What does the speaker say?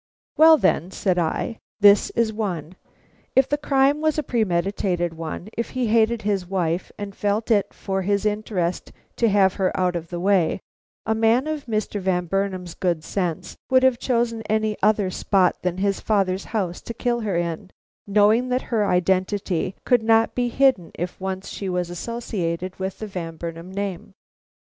"Well, then," said I, "this is one. If the crime was a premeditated one, if he hated his wife and felt it for his interest to have her out of the way, a man of Mr. Van Burnam's good sense would have chosen any other spot than his father's house to kill her in, knowing that her identity could not be hidden if once she was associated with the Van Burnam name.